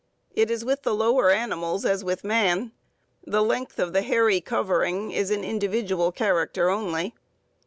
It is with the lower animals as with man the length of the hairy covering is an individual character only.